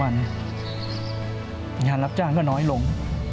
งานรับจ้างก็น้อยลง